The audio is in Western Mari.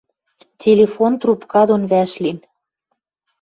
Телефон трубка дон вӓшлин